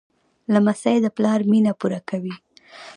لمسی د پلار مینه پوره کوي.